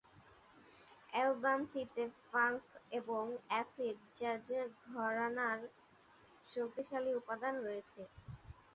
অ্যালবামটিতে funk এবং acid jazz ঘরানার শক্তিশালী উপাদান রয়েছে।